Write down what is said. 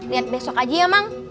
lihat besok aja ya emang